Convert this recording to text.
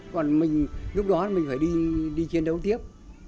còn mình lúc đó mình phải đi chiến đấu tiếp